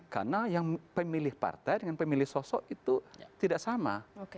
karena yang pemilih partai dengan pemilih sosok itu tidak sama